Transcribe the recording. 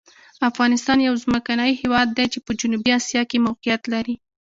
افغانستان یو ځمکني هېواد دی چې په جنوبي آسیا کې موقعیت لري.